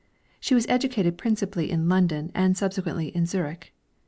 She was educated principally in London, and subsequently in Zurich.